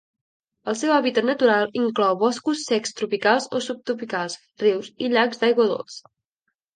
El seu hàbitat natural inclou boscos secs tropicals o subtropicals, rius i llacs d'aigua dolça.